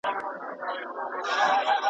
د «طلوع افغان» جریدې مرستیال